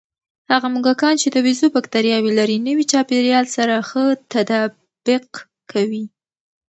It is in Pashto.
هغه موږکان چې د بیزو بکتریاوې لري، نوي چاپېریال سره ښه تطابق کوي.